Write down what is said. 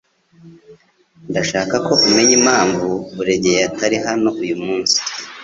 Ndashaka ko umenya impamvu Buregeya atari hano uyu munsi